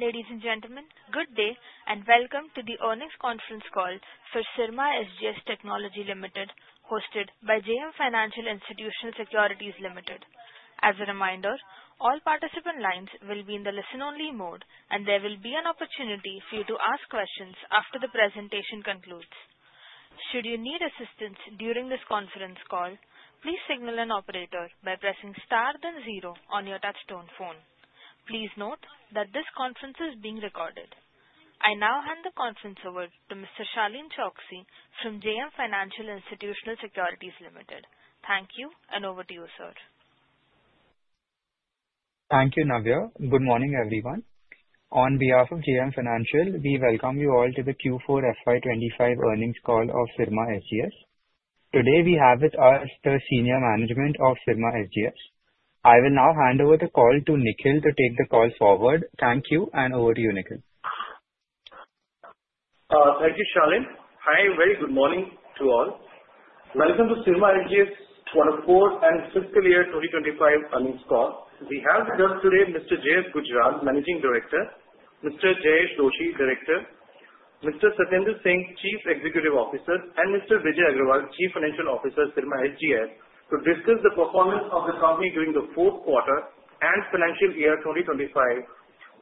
Ladies and gentlemen, good day and welcome to the Earnings Conference Call for Syrma SGS Technology Limited, hosted by JM Financial Institutional Securities Limited. As a reminder, all participant lines will be in the listen-only mode, and there will be an opportunity for you to ask questions after the presentation concludes. Should you need assistance during this conference call, please signal an operator by pressing star then zero on your touchtone phone. Please note that this conference is being recorded. I now hand the conference over to Mr. Shalin Choksi from JM Financial Institutional Securities Limited. Thank you, and over to you, sir. Thank you, Navya. Good morning, everyone. On behalf of JM Financial, we welcome you all to the Q4 FY 2025 Earnings Call of Syrma SGS. Today, we have with us the senior management of Syrma SGS. I will now hand over the call to Nikhil to take the call forward. Thank you, and over to you, Nikhil. Thank you, Shalin. Hi, very good morning to all. Welcome to Syrma SGS' Q4 and fiscal year 2025 earnings call. We have with us today Mr. Jayesh Gujral, Managing Director, Mr. Jayesh Joshi, Director, Mr. Satendra Singh, Chief Executive Officer, and Mr. Bijay Agrawal, Chief Financial Officer of Syrma SGS, to discuss the performance of the company during the fourth quarter and financial year 2025,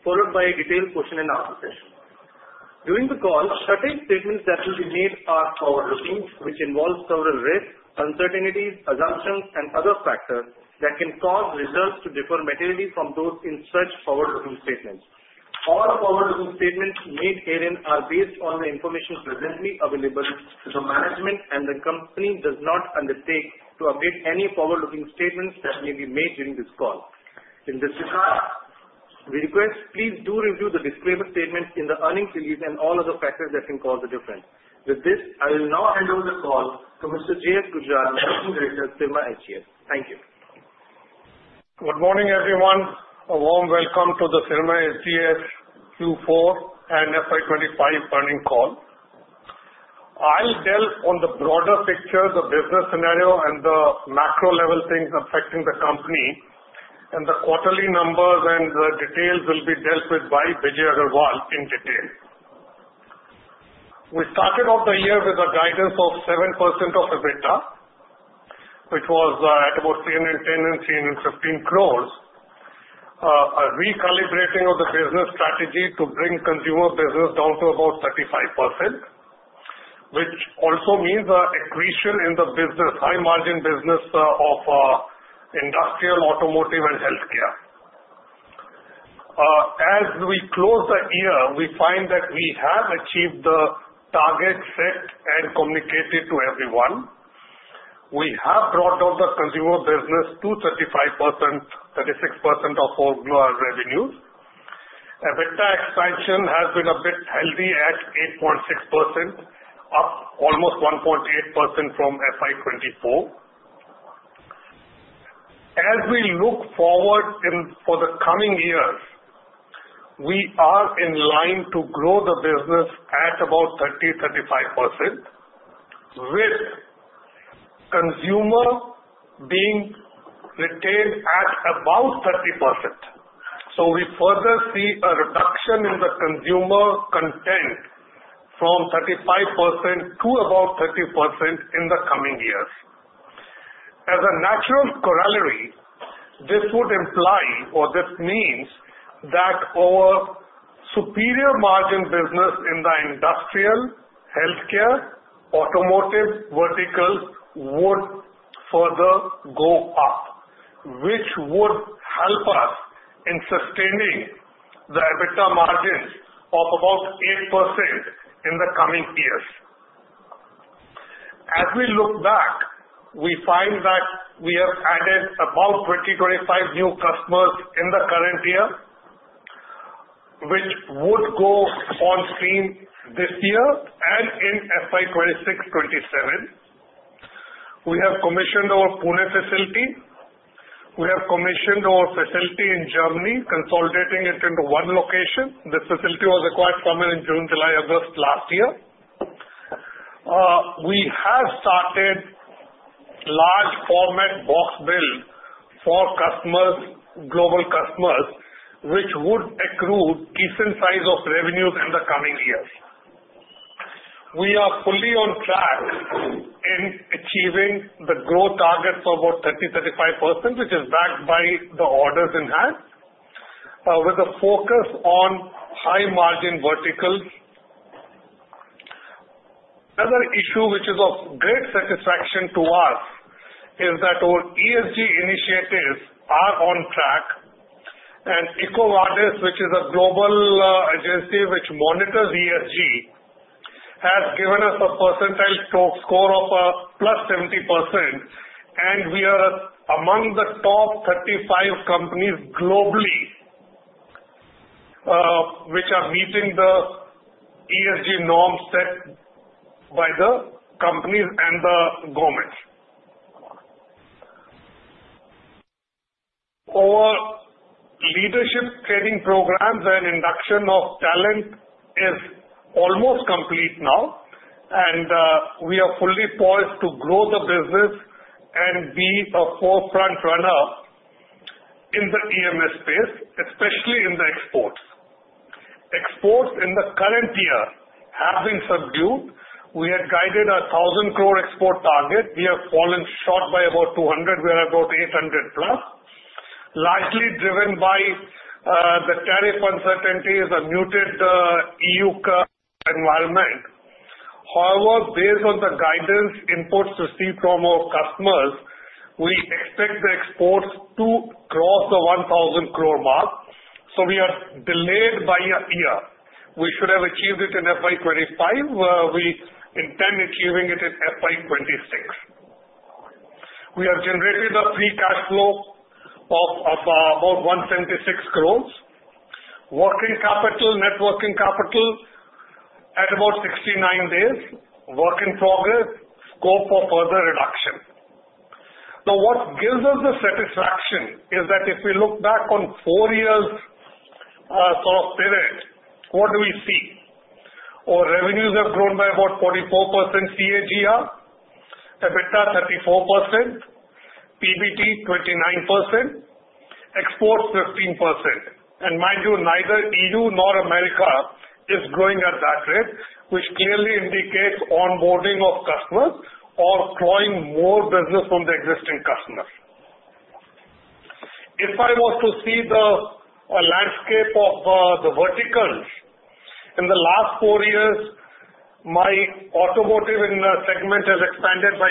followed by a detailed question-and-answer session. During the call, certain statements that will be made are forward-looking, which involves several risks, uncertainties, assumptions, and other factors that can cause results to differ materially from those in such forward-looking statements. All forward-looking statements made herein are based on the information presently available to the management, and the company does not undertake to update any forward-looking statements that may be made during this call. In this regard, we request please do review the disclaimer statement in the earnings release and all other factors that can cause a difference. With this, I will now hand over the call to Mr. Jayesh Gujral, Managing Director of Syrma SGS. Thank you. Good morning, everyone. A warm welcome to the Syrma SGS Q4 and FY 2025 Earnings Call. I'll delve on the broader picture, the business scenario, and the macro-level things affecting the company. The quarterly numbers and the details will be dealt with by Bijay Agrawal in detail. We started off the year with a guidance of 7% of EBITDA, which was at about 310-315 crores. A recalibrating of the business strategy to bring consumer business down to about 35%, which also means an accretion in the high-margin business of industrial, automotive, and healthcare. As we close the year, we find that we have achieved the targets set and communicated to everyone. We have brought out the consumer business to 35%, 36% of our revenues. EBITDA expansion has been a bit healthy at 8.6%, up almost 1.8% from FY 2024. As we look forward for the coming year, we are in line to grow the business at about 30%-35%, with consumer being retained at about 30%. So we further see a reduction in the consumer content from 35% to about 30% in the coming years. As a natural corollary, this would imply or this means that our superior margin business in the industrial, healthcare, automotive verticals would further go up, which would help us in sustaining the EBITDA margins of about 8% in the coming years. As we look back, we find that we have added about 20-25 new customers in the current year, which would go on stream this year and in FY 2026-2027. We have commissioned our Pune facility. We have commissioned our facility in Germany, consolidating it into one location. The facility was acquired somewhere in June, July, August last year. We have started large-format box build for global customers, which would accrue decent size of revenues in the coming years. We are fully on track in achieving the growth target for about 30%-35%, which is backed by the orders in hand, with a focus on high-margin verticals. Another issue which is of great satisfaction to us is that our ESG initiatives are on track, and EcoVadis, which is a global agency which monitors ESG, has given us a percentile score of +70%, and we are among the top 35 companies globally which are meeting the ESG norms set by the companies and the government. Our leadership training programs and induction of talent is almost complete now, and we are fully poised to grow the business and be a forefront runner in the EMS space, especially in the exports. Exports in the current year have been subdued. We had guided a 1,000 crore export target. We have fallen short by about 200. We are about 800+, largely driven by the tariff uncertainties, a muted EU environment. However, based on the guidance inputs received from our customers, we expect the exports to cross the 1,000 crore mark. So we are delayed by a year. We should have achieved it in FY 2025. We intend achieving it in FY 2026. We have generated a free cash flow of about 176 crores, working capital, net working capital at about 69 days, work in progress, scope for further reduction. So what gives us the satisfaction is that if we look back on four years' sort of period, what do we see? Our revenues have grown by about 44% CAGR, EBITDA 34%, PBT 29%, exports 15%. Mind you, neither EU nor America is growing at that rate, which clearly indicates onboarding of customers or drawing more business from the existing customers. If I was to see the landscape of the verticals in the last four years, my automotive segment has expanded by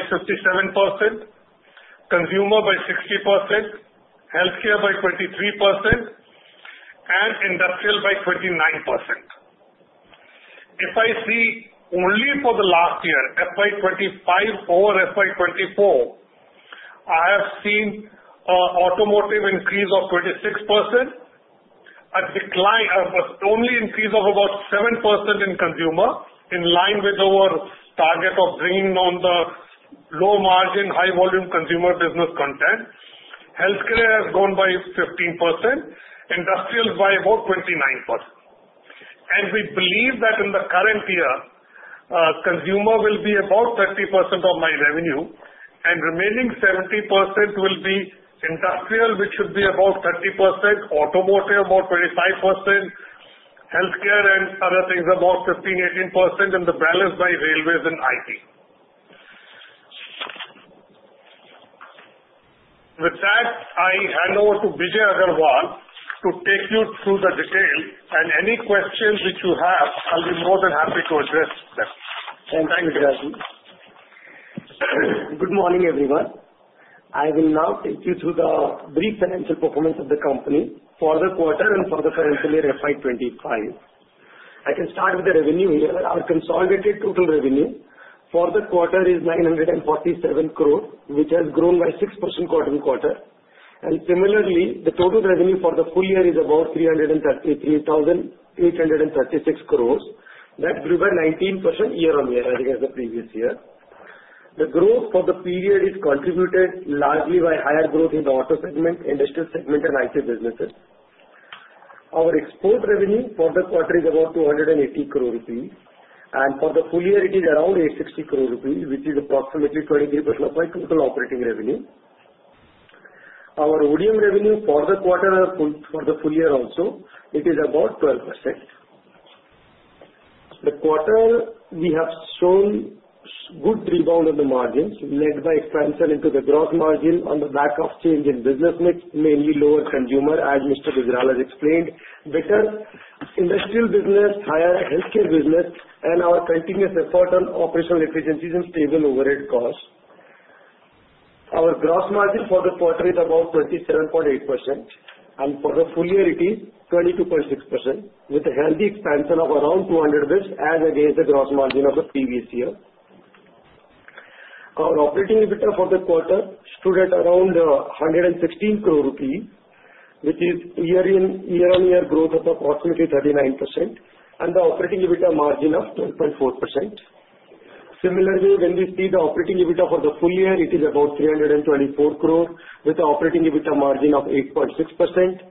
57%, consumer by 60%, healthcare by 23%, and industrial by 29%. If I see only for the last year, FY 2025 or FY 2024, I have seen automotive increase of 26%, a decline of only increase of about 7% in consumer, in line with our target of bringing on the low-margin, high-volume consumer business content. Healthcare has grown by 15%, industrial by about 29%. We believe that in the current year, consumer will be about 30% of my revenue, and remaining 70% will be industrial, which should be about 30%, automotive about 25%, healthcare and other things about 15%, 18%, and the balance by railways and IT. With that, I hand over to Bijay Agrawal to take you through the details, and any questions which you have, I'll be more than happy to address them. Thank you. Thank you, Jayesh. Good morning, everyone. I will now take you through the brief financial performance of the company for the quarter and for the financial year FY 2025. I can start with the revenue here. Our consolidated total revenue for the quarter is 947 crores, which has grown by 6% quarter on quarter. Similarly, the total revenue for the full year is about 3,338.36 crores. That grew by 19% year on year, as it is the previous year. The growth for the period is contributed largely by higher growth in the auto segment, industrial segment, and IT businesses. Our export revenue for the quarter is about 280 crore rupees, and for the full year, it is around 860 crore rupees, which is approximately 23% of my total operating revenue. Our ODM revenue for the quarter and for the full year also, it is about 12%. The quarter, we have shown good rebound in the margins, led by expansion into the gross margin on the back of change in business mix, mainly lower consumer, as Mr. Gujral has explained, better industrial business, higher healthcare business, and our continuous effort on operational efficiencies and stable overhead costs. Our gross margin for the quarter is about 27.8%, and for the full year, it is 22.6%, with a healthy expansion of around 200 basis points as against the gross margin of the previous year. Our operating EBITDA for the quarter stood at around 116 crore rupees, which is year-on-year growth of approximately 39%, and the operating EBITDA margin of 12.4%. Similarly, when we see the operating EBITDA for the full year, it is about 324 crore, with the operating EBITDA margin of 8.6%,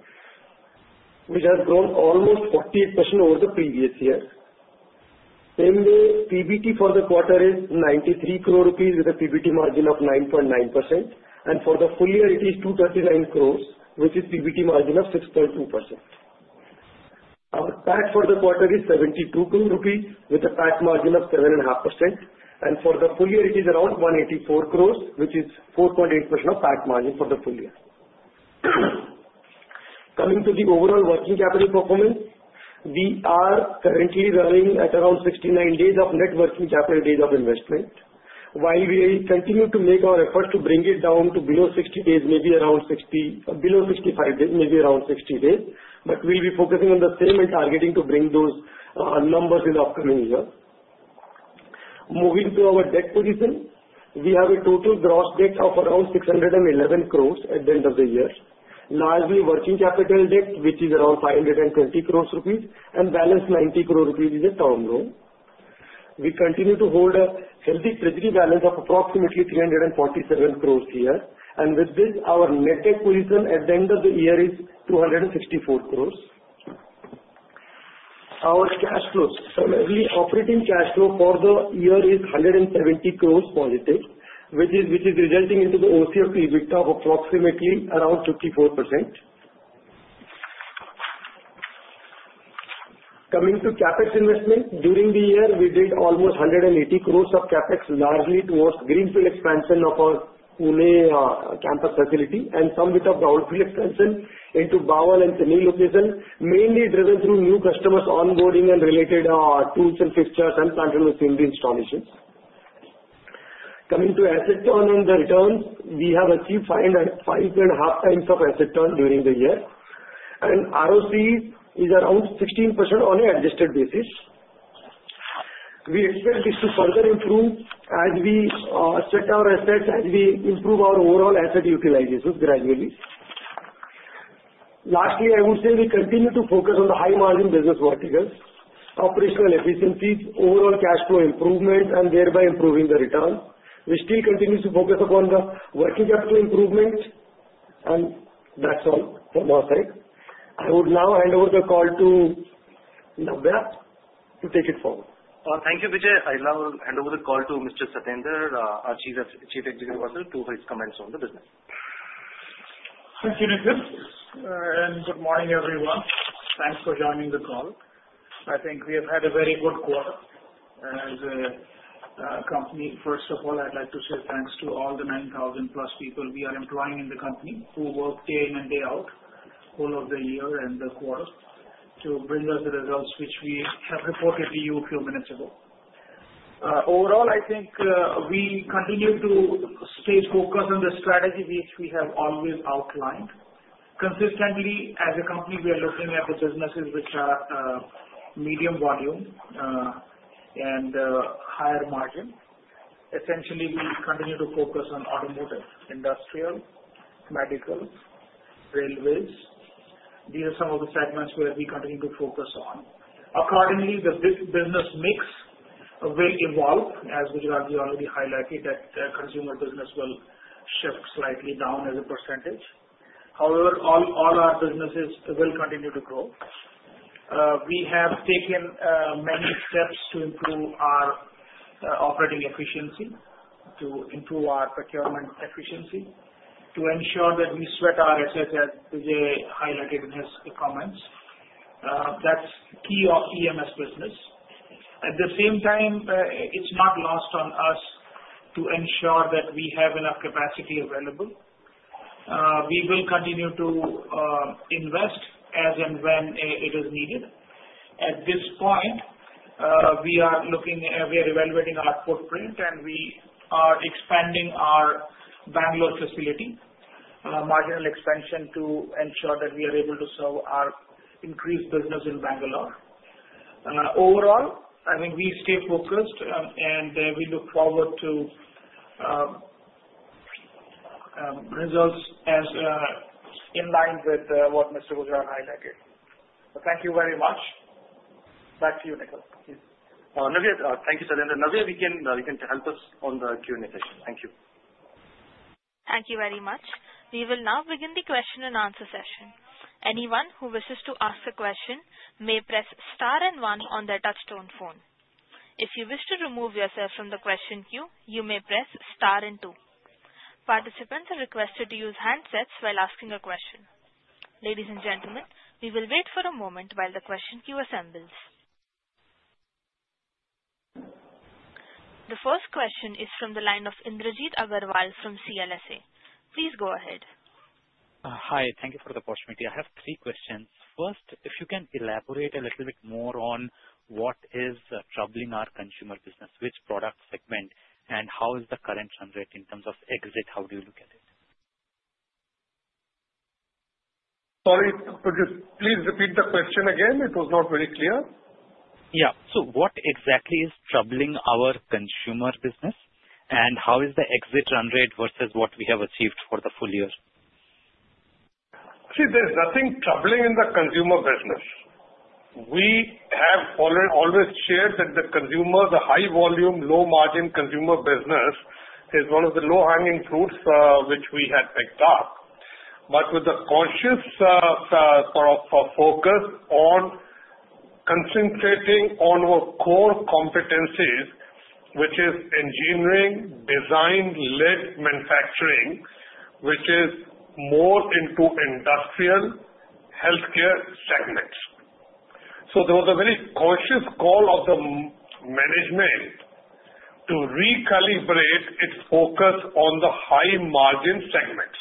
which has grown almost 48% over the previous year. Same way, PBT for the quarter is 93 crore rupees, with a PBT margin of 9.9%, and for the full year, it is 239 crore, which is PBT margin of 6.2%. Our PAT for the quarter is 72 crore rupees, with a PAT margin of 7.5%, and for the full year, it is around 184 crore, which is 4.8% PAT margin for the full year. Coming to the overall working capital performance, we are currently running at around 69 days of net working capital days of investment. While we continue to make our efforts to bring it down to below 60 days, maybe around 60, below 65 days, maybe around 60 days, but we'll be focusing on the same and targeting to bring those numbers in the upcoming year. Moving to our debt position, we have a total gross debt of around 611 crore at the end of the year, largely working capital debt, which is around 520 crore rupees, and balance 90 crore rupees in the term loan. We continue to hold a healthy treasury balance of approximately 347 crore here, and with this, our net debt position at the end of the year is 264 crore. Our cash flows, primarily operating cash flow for the year is 170 crore positive, which is resulting into the OCF EBITDA of approximately around 54%. Coming to CapEx investment, during the year, we did almost 180 crore of CapEx, largely towards greenfield expansion of our Pune campus facility and some bit of brownfield expansion into Bawal and Chennai location, mainly driven through new customers onboarding and related tools and fixtures and plant and machinery installations. Coming to asset turn and the returns, we have achieved 5.5 times of asset turn during the year, and ROC is around 16% on an adjusted basis. We expect this to further improve as we sweat our assets, as we improve our overall asset utilization gradually. Lastly, I would say we continue to focus on the high-margin business verticals, operational efficiencies, overall cash flow improvement, and thereby improving the return. We still continue to focus upon the working capital improvement, and that's all from our side. I would now hand over the call to Navya to take it forward. Thank you, Bijay. I'll now hand over the call to Mr. Satendra, our Chief Executive Officer, to his comments on the business. Thank you, Nikhil. Good morning, everyone. Thanks for joining the call. I think we have had a very good quarter. As a company, first of all, I'd like to say thanks to all the 9,000+ people we are employing in the company who worked day in and day out all of the year and the quarter to bring us the results which we have reported to you a few minutes ago. Overall, I think we continue to stay focused on the strategy which we have always outlined. Consistently, as a company, we are looking at the businesses which are medium volume and higher margin. Essentially, we continue to focus on automotive, industrial, medical, railways. These are some of the segments where we continue to focus on. Accordingly, the business mix will evolve, as Gujral already highlighted, that consumer business will shift slightly down as a percentage. However, all our businesses will continue to grow. We have taken many steps to improve our operating efficiency, to improve our procurement efficiency, to ensure that we sweat our assets, as Bijay highlighted in his comments. That's key of EMS business. At the same time, it's not lost on us to ensure that we have enough capacity available. We will continue to invest as and when it is needed. At this point, we are looking at evaluating our footprint, and we are expanding our Bangalore facility, marginal expansion to ensure that we are able to serve our increased business in Bangalore. Overall, I think we stay focused, and we look forward to results in line with what Mr. Gujral highlighted. Thank you very much. Back to you, Nikhil. Thank you, Satendra. Navya, we can help us on the Q&A session. Thank you. Thank you very much. We will now begin the question and answer session. Anyone who wishes to ask a question may press star and one on their touch-tone phone. If you wish to remove yourself from the question queue, you may press star and two. Participants are requested to use handsets while asking a question. Ladies and gentlemen, we will wait for a moment while the question queue assembles. The first question is from the line of Indrajit Agarwal from CLSA. Please go ahead. Hi. Thank you for the opportunity. I have three questions. First, if you can elaborate a little bit more on what is troubling our consumer business, which product segment, and how is the current run rate in terms of exit? How do you look at it? Sorry, please repeat the question again. It was not very clear. Yeah, so what exactly is troubling our consumer business, and how is the exit run rate versus what we have achieved for the full year? See, there's nothing troubling in the consumer business. We have always shared that the consumer, the high-volume, low-margin consumer business is one of the low-hanging fruits which we had picked up. But with the conscious focus on concentrating on our core competencies, which is engineering, design-led manufacturing, which is more into industrial, healthcare segments. So there was a very conscious call of the management to recalibrate its focus on the high-margin segments.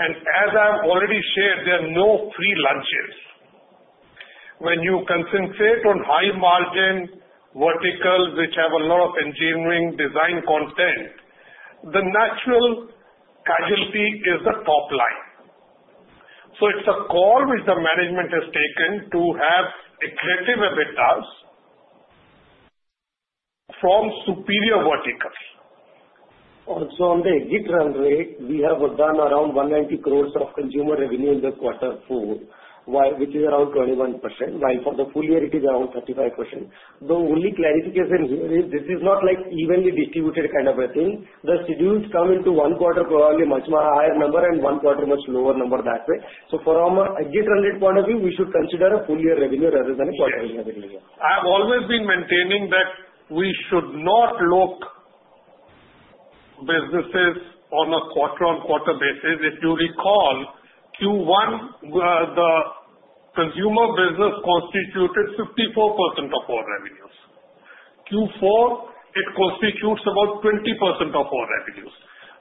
And as I've already shared, there are no free lunches. When you concentrate on high-margin verticals, which have a lot of engineering, design content, the natural casualty is the top line. So it's a call which the management has taken to have executive EBITDAs from superior verticals. Also, on the exit run rate, we have done around 190 crores of consumer revenue in the quarter four, which is around 21%, while for the full year, it is around 35%. The only clarification here is this is not like evenly distributed kind of a thing. The schedules come into one quarter probably much higher number and one quarter much lower number that way. So from an exit run rate point of view, we should consider a full year revenue rather than a quarter year revenue. I've always been maintaining that we should not lock businesses on a quarter-on-quarter basis. If you recall, Q1, the consumer business constituted 54% of our revenues. Q4, it constitutes about 20% of our revenues.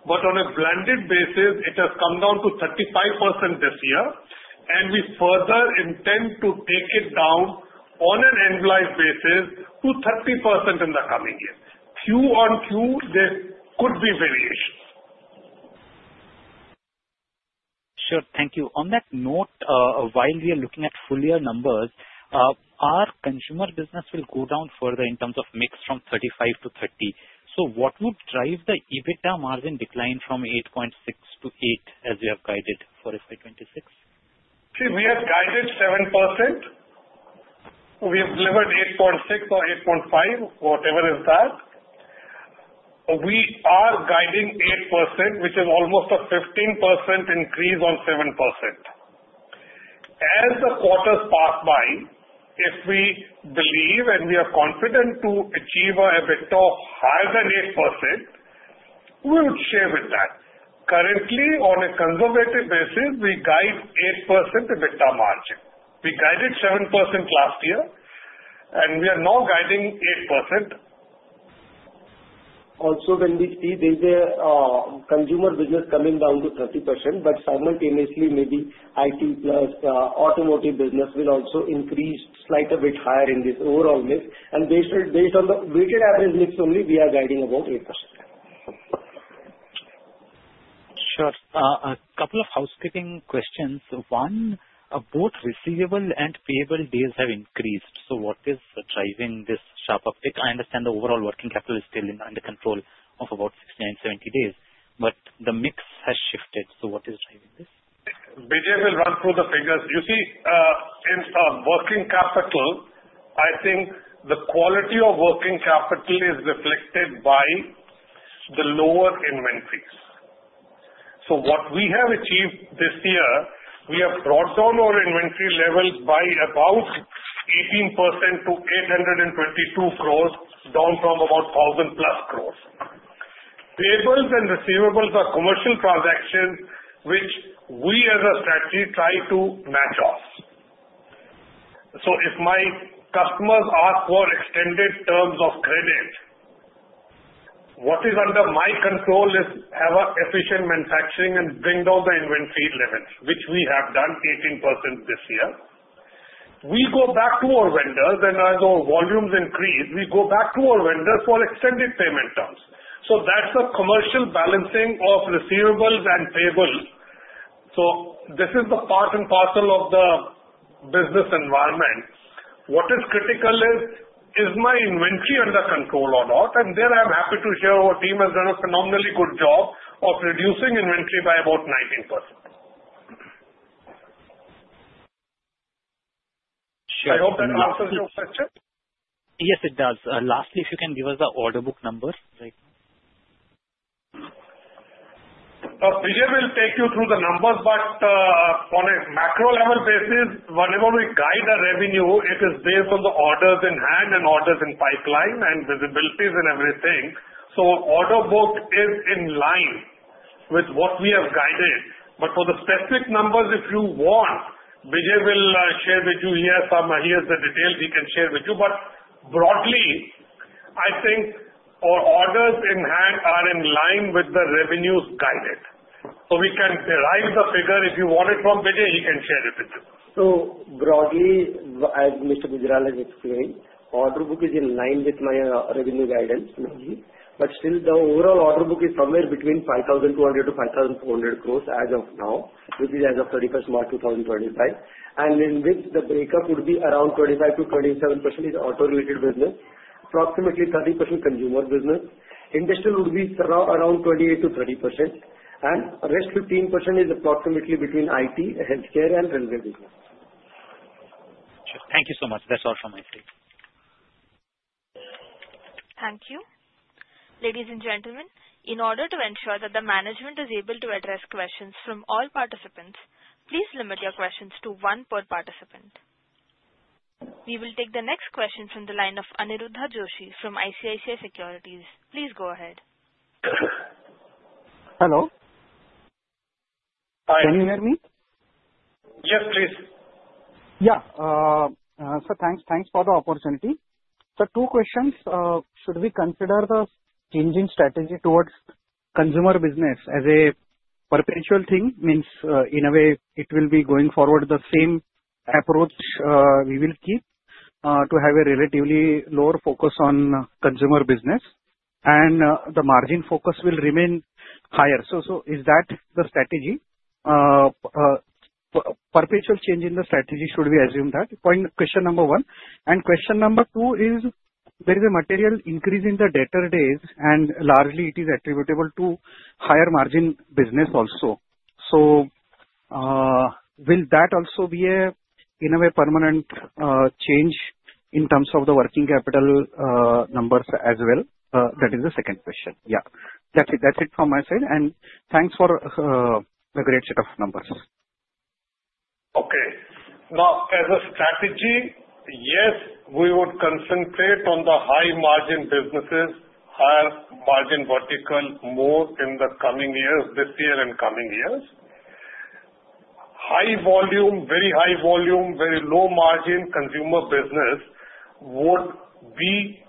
But on a blended basis, it has come down to 35% this year, and we further intend to take it down on an end-life basis to 30% in the coming year. Q on Q, there could be variations. Sure. Thank you. On that note, while we are looking at full year numbers, our consumer business will go down further in terms of mix from 35 to 30. So what would drive the EBITDA margin decline from 8.6 to 8 as we have guided for FY 2026? See, we have guided 7%. We have delivered 8.6% or 8.5%, whatever it is. We are guiding 8%, which is almost a 15% increase on 7%. As the quarters pass by, if we believe and we are confident to achieve an EBITDA higher than 8%, we would share with that. Currently, on a conservative basis, we guide 8% EBITDA margin. We guided 7% last year, and we are now guiding 8%. Also, when we see there's a consumer business coming down to 30%, but simultaneously, maybe IT plus automotive business will also increase slightly a bit higher in this overall mix. And based on the weighted average mix only, we are guiding about 8%. Sure. A couple of housekeeping questions. One, both receivable and payable days have increased. So what is driving this sharp uptick? I understand the overall working capital is still under control of about 69, 70 days, but the mix has shifted. So what is driving this? Bijay will run through the figures. You see, in working capital, I think the quality of working capital is reflected by the lower inventories. So what we have achieved this year, we have brought down our inventory levels by about 18% to 822 crore, down from about 1,000+ crore. Payables and receivables are commercial transactions which we, as a strategy, try to match up. So if my customers ask for extended terms of credit, what is under my control is have an efficient manufacturing and bring down the inventory levels, which we have done 18% this year. We go back to our vendors, and as our volumes increase, we go back to our vendors for extended payment terms. So that's a commercial balancing of receivables and payables. So this is the part and parcel of the business environment. What is critical is, is my inventory under control or not? There, I'm happy to share our team has done a phenomenally good job of reducing inventory by about 19%. I hope that answers your question. Yes, it does. Lastly, if you can give us the order book number right now? Bijay will take you through the numbers, but on a macro level basis, whenever we guide a revenue, it is based on the orders in hand and orders in pipeline and visibilities and everything. So order book is in line with what we have guided. But for the specific numbers, if you want, Bijay will share with you here. Here's the details he can share with you. But broadly, I think our orders in hand are in line with the revenues guided. So we can derive the figure. If you want it from Bijay, he can share it with you. So broadly, as Mr. Gujral has explained, order book is in line with my revenue guidance, Nikhil. But still, the overall order book is somewhere between 5,200-5,400 crores as of now, which is as of 31st March 2025. And in which the breakup would be around 25%-27% is auto-related business, approximately 30% consumer business. Industrial would be around 28%-30%, and the rest 15% is approximately between IT, healthcare, and railway business. Sure. Thank you so much. That's all from my side. Thank you. Ladies and gentlemen, in order to ensure that the management is able to address questions from all participants, please limit your questions to one per participant. We will take the next question from the line of Aniruddha Joshi from ICICI Securities. Please go ahead. Hello. Hi. Can you hear me? Yes, please. Yeah. So thanks for the opportunity. So two questions. Should we consider the changing strategy towards consumer business as a perpetual thing? Means in a way, it will be going forward the same approach we will keep to have a relatively lower focus on consumer business, and the margin focus will remain higher. So is that the strategy? Perpetual change in the strategy, should we assume that? Question number one. And question number two is, there is a material increase in the DIO days, and largely it is attributable to higher margin business also. So will that also be a, in a way, permanent change in terms of the working capital numbers as well? That is the second question. Yeah. That's it from my side. And thanks for the great set of numbers. Okay. Now, as a strategy, yes, we would concentrate on the high-margin businesses, higher margin vertical more in the coming years, this year and coming years. High volume, very high volume, very low margin consumer business would be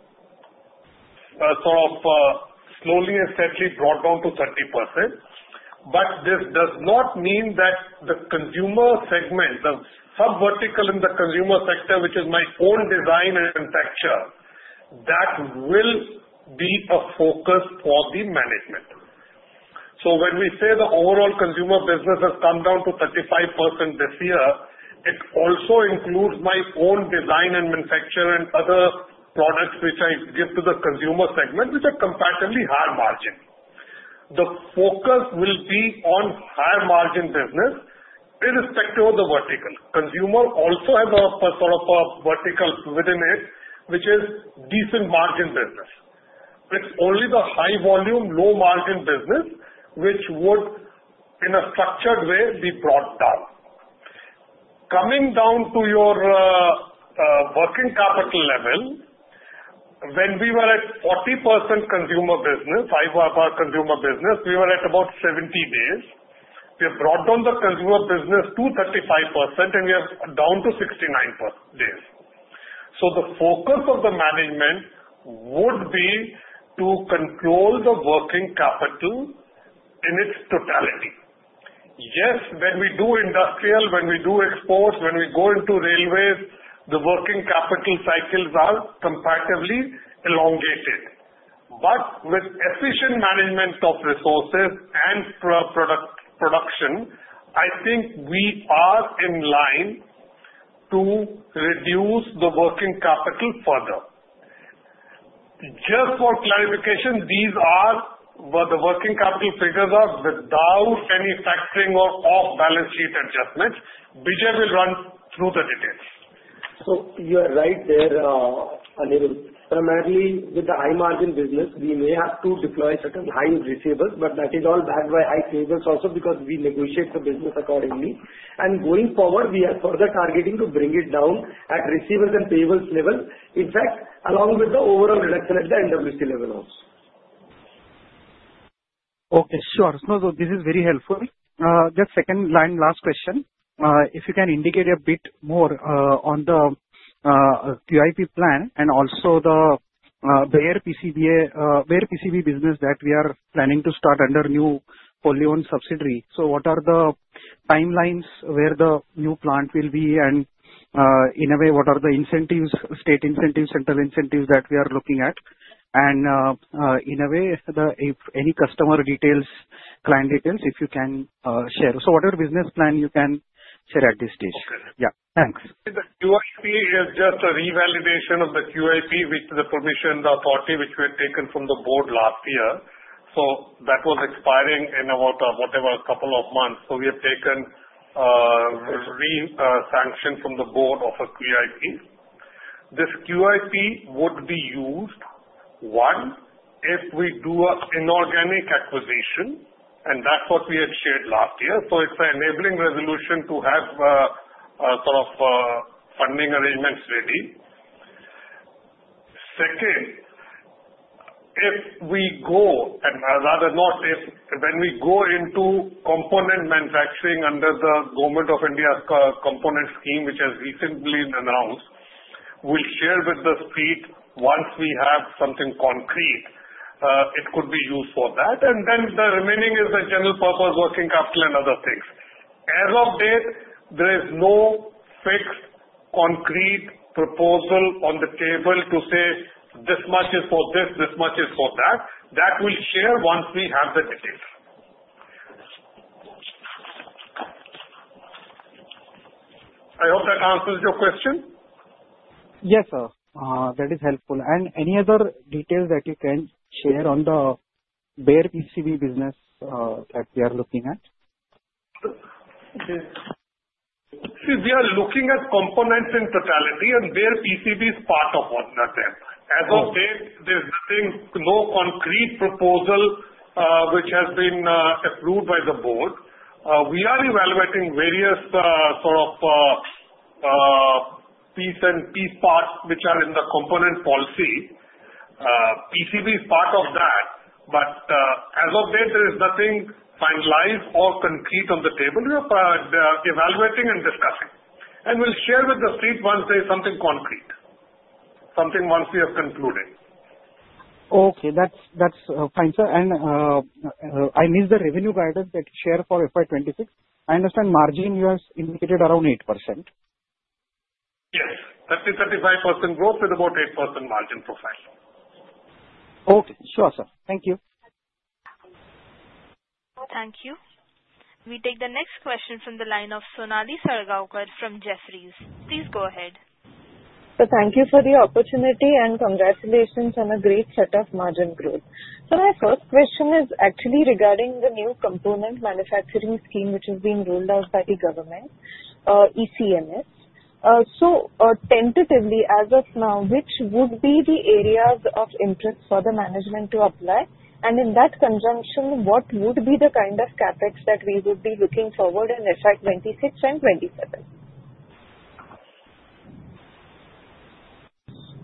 sort of slowly and steadily brought down to 30%. But this does not mean that the consumer segment, the subvertical in the consumer sector, which is my own design and manufacture, that will be a focus for the management. So when we say the overall consumer business has come down to 35% this year, it also includes my own design and manufacture and other products which I give to the consumer segment, which are comparatively high margin. The focus will be on higher margin business irrespective of the vertical. Consumer also has a sort of a vertical within it, which is decent margin business. It's only the high-volume, low-margin business which would, in a structured way, be brought down. Coming down to your working capital level, when we were at 40% consumer business, high-volume consumer business, we were at about 70 days. We have brought down the consumer business to 35%, and we are down to 69 days. So the focus of the management would be to control the working capital in its totality. Yes, when we do industrial, when we do exports, when we go into railways, the working capital cycles are comparatively elongated. But with efficient management of resources and production, I think we are in line to reduce the working capital further. Just for clarification, these are what the working capital figures are without any factoring or off-balance sheet adjustments. Bijay will run through the details. So you are right there, Aniruddha. Primarily, with the high-margin business, we may have to deploy certain high receivables, but that is all backed by high payables also because we negotiate the business accordingly. And going forward, we are further targeting to bring it down at receivables and payables level, in fact, along with the overall reduction at the NWC level also. Okay. Sure. No, this is very helpful. Just second line, last question. If you can indicate a bit more on the QIP plan and also the Bare PCB business that we are planning to start under new wholly-owned subsidiary. So what are the timelines where the new plant will be, and in a way, what are the incentives, state incentives, central incentives that we are looking at? And in a way, if any customer details, client details, if you can share. So whatever business plan you can share at this stage. Yeah. Thanks. The QIP is just a revalidation of the QIP with the permission authority which we had taken from the board last year, so that was expiring in about a couple of months, so we have taken a re-sanction from the board of a QIP. This QIP would be used, one, if we do an inorganic acquisition, and that's what we had shared last year, so it's an enabling resolution to have sort of funding arrangements ready. Second, if we go, and rather not if, when we go into component manufacturing under the Government of India's component scheme, which has recently been announced, we'll share with the Street once we have something concrete. It could be used for that, and then the remaining is the general purpose, working capital, and other things. As of date, there is no fixed concrete proposal on the table to say, "This much is for this, this much is for that." That we'll share once we have the details. I hope that answers your question. Yes, sir. That is helpful, and any other details that you can share on the Bare PCB business that we are looking at? See, we are looking at components in totality, and Bare PCB is part of all of them. As of date, there's no concrete proposal which has been approved by the board. We are evaluating various sort of piece and piece parts which are in the component policy. PCB is part of that, but as of date, there is nothing finalized or concrete on the table. We are evaluating and discussing. We'll share with the Street once there is something concrete, something once we have concluded. Okay. That's fine, sir. And I missed the revenue guidance that you shared for FY 2026. I understand margin you have indicated around 8%. Yes. 30%-35% growth with about 8% margin profile. Okay. Sure, sir. Thank you. Thank you. We take the next question from the line of Sonali Salgaonkar from Jefferies. Please go ahead. So thank you for the opportunity and congratulations on a great set of margin growth. So my first question is actually regarding the new component manufacturing scheme which is being rolled out by the government, ECMS. So tentatively, as of now, which would be the areas of interest for the management to apply? And in that connection, what would be the kind of CapEx that we would be looking forward to in FY 2026 and FY 2027?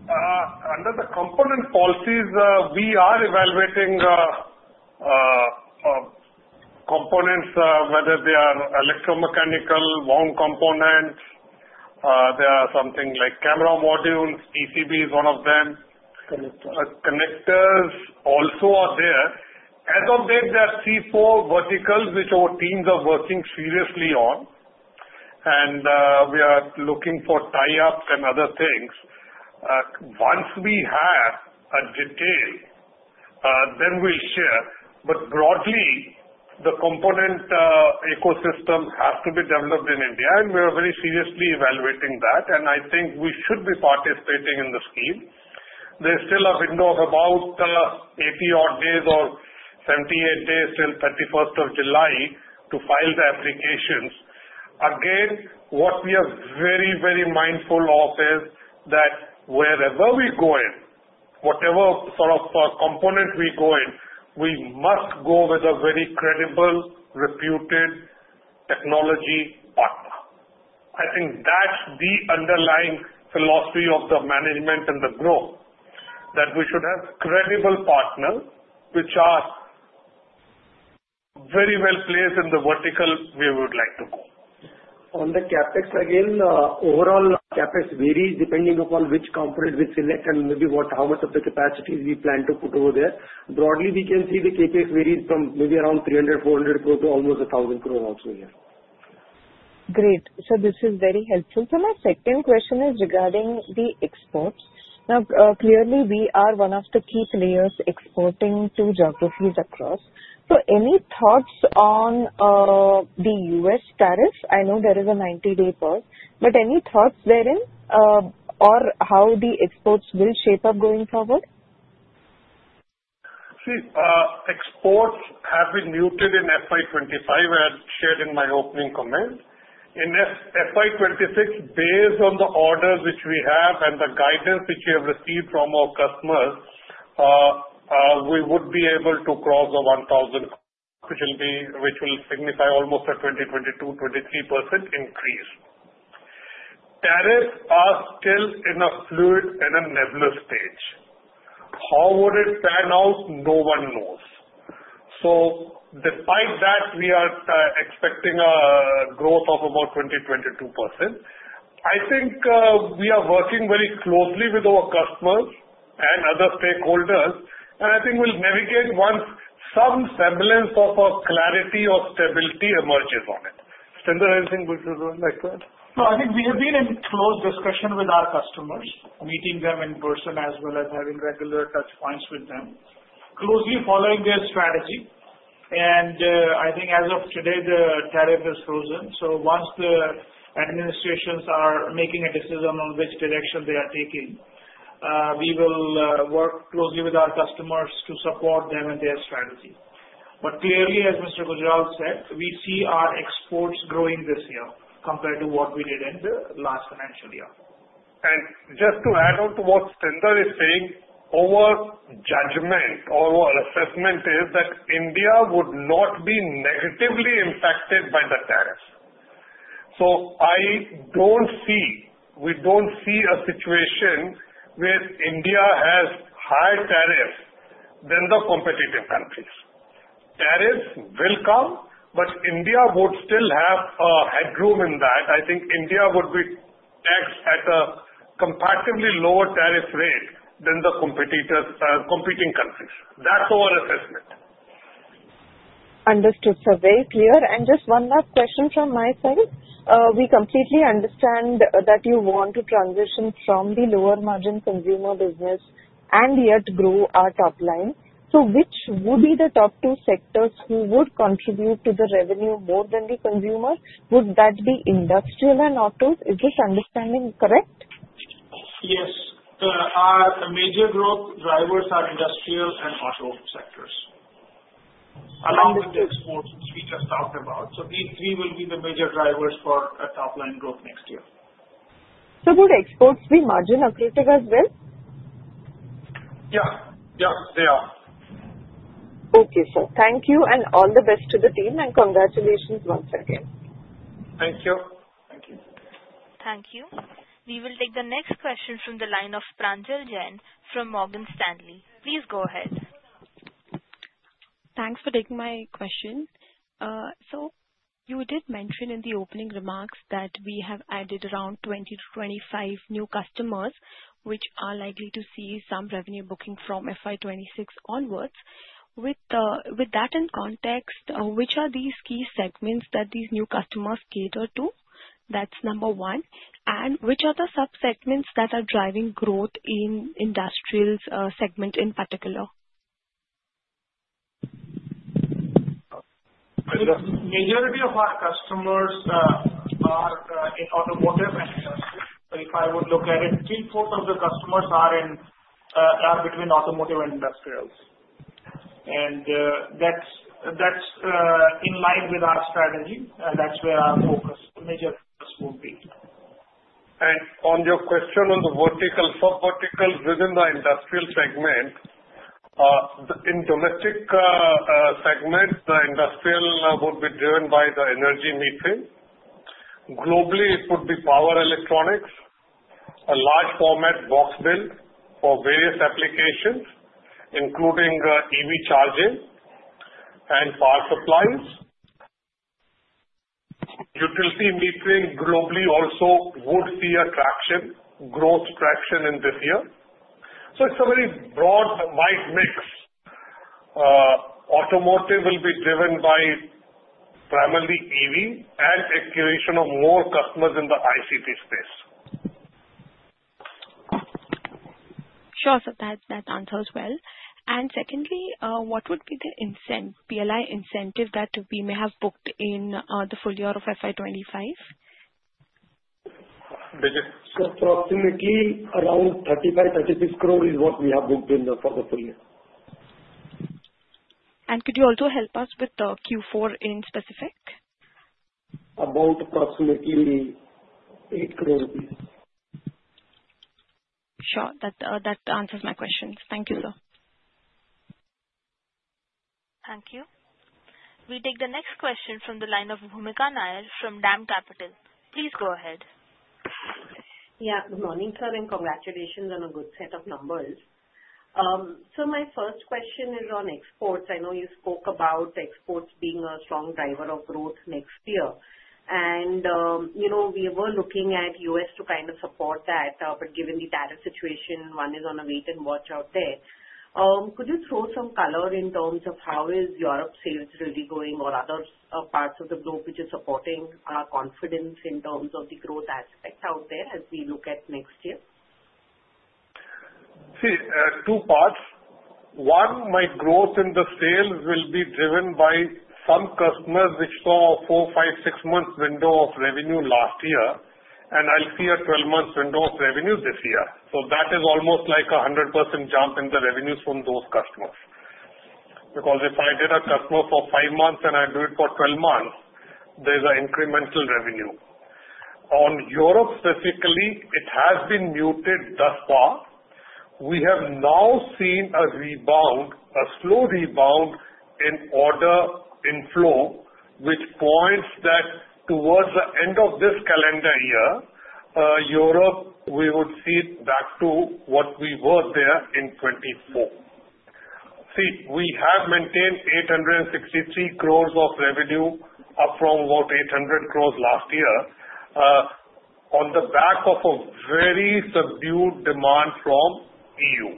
Under the component policies, we are evaluating components, whether they are electromechanical, wound components. There are something like camera modules. PCB is one of them. Connectors also are there. As of today, there are three or four verticals which our teams are working seriously on, and we are looking for tie-ups and other things. Once we have a detail, then we'll share. But broadly, the component ecosystem has to be developed in India, and we are very seriously evaluating that. And I think we should be participating in the scheme. There's still a window of about 80-odd days or 78 days till 31st of July to file the applications. Again, what we are very, very mindful of is that wherever we go in, whatever sort of component we go in, we must go with a very credible, reputed technology partner. I think that's the underlying philosophy of the management and the growth, that we should have credible partners which are very well placed in the vertical we would like to go. On the CapEx, again, overall CapEx varies depending upon which component we select and maybe how much of the capacity we plan to put over there. Broadly, we can see the CapEx varies from maybe around 300-400 crore to almost 1,000 crore also here. Great. So this is very helpful. So my second question is regarding the exports. Now, clearly, we are one of the key players exporting to geographies across. So any thoughts on the U.S. tariffs? I know there is a 90-day pause, but any thoughts therein or how the exports will shape up going forward? See, exports have been muted in FY 2025, as shared in my opening comment. In FY 2026, based on the orders which we have and the guidance which we have received from our customers, we would be able to cross the 1,000 crore, which will signify almost a 20-23% increase. Tariffs are still in a fluid and a nebulous stage. How would it pan out? No one knows. So despite that, we are expecting a growth of about 20-22%. I think we are working very closely with our customers and other stakeholders, and I think we'll navigate once some semblance of clarity or stability emerges on it. Satendra, would you like to add? No, I think we have been in close discussion with our customers, meeting them in person as well as having regular touchpoints with them, closely following their strategy, and I think as of today, the tariff has frozen, so once the administrations are making a decision on which direction they are taking, we will work closely with our customers to support them and their strategy, but clearly, as Mr. Gujral said, we see our exports growing this year compared to what we did in the last financial year. Just to add on to what Satendra is saying, our judgment, our assessment is that India would not be negatively impacted by the tariffs. So we don't see a situation where India has higher tariffs than the competitive countries. Tariffs will come, but India would still have headroom in that. I think India would be taxed at a comparatively lower tariff rate than the competing countries. That's our assessment. Understood. So very clear. And just one last question from my side. We completely understand that you want to transition from the lower margin consumer business and yet grow our top line. So which would be the top two sectors who would contribute to the revenue more than the consumer? Would that be industrial and auto? Is this understanding correct? Yes. Our major growth drivers are industrial and auto sectors, along with the exports we just talked about. So these three will be the major drivers for top line growth next year. So would exports be margin-affected as well? Yeah. Yeah, they are. Okay, sir. Thank you and all the best to the team, and congratulations once again. Thank you. Thank you. Thank you. We will take the next question from the line of Pranjal Jain from Morgan Stanley. Please go ahead. Thanks for taking my question. So you did mention in the opening remarks that we have added around 20-25 new customers which are likely to see some revenue booking from FY 2026 onwards. With that in context, which are these key segments that these new customers cater to? That's number one. And which are the subsegments that are driving growth in industrial segment in particular? The majority of our customers are in automotive and industrial. So if I would look at it, 3/4 of the customers are between automotive and industrials. And that's in line with our strategy, and that's where our focus, major focus would be. And on your question on the vertical, subverticals within the industrial segment, in domestic segment, the industrial would be driven by the energy meters. Globally, it would be power electronics, a large format box build for various applications, including EV charging and power supplies. Utility meters globally also would see a traction, growth traction in this year. So it's a very broad, wide mix. Automotive will be driven by primarily EV and accumulation of more customers in the ICT space. Sure. So that answers well. And secondly, what would be the PLI incentive that we may have booked in the full year of FY 2025? Approximately around 35-36 crore is what we have booked in for the full year. Could you also help us with the Q4 in specific? About approximately INR 8 crore. Sure. That answers my questions. Thank you, sir. Thank you. We take the next question from the line of Bhoomika Nair from DAM Capital. Please go ahead. Yeah. Good morning, sir, and congratulations on a good set of numbers. So my first question is on exports. I know you spoke about exports being a strong driver of growth next year. And we were looking at U.S. to kind of support that, but given the tariff situation, one is on a wait-and-watch out there. Could you throw some color in terms of how is Europe's sales really going or other parts of the globe which are supporting our confidence in terms of the growth aspect out there as we look at next year? See, two parts. One, my growth in the sales will be driven by some customers which saw a four, five, six-month window of revenue last year, and I'll see a 12-month window of revenue this year. So that is almost like a 100% jump in the revenues from those customers. Because if I get a customer for five months and I do it for 12 months, there's an incremental revenue. On Europe specifically, it has been muted thus far. We have now seen a rebound, a slow rebound in order inflow, which points to that towards the end of this calendar year, Europe, we would see it back to what we were there in 2024. See, we have maintained 863 crores of revenue up from about 800 crores last year on the back of a very subdued demand from EU.